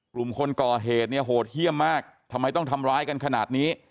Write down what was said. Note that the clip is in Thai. กลุ่มคนก่อเหตุเนี่ยโหดเยี่ยมมากทำไมต้องทำร้ายกันขนาดนี้